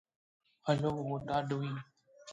It is also the largest Ukrainian producer of iron ore.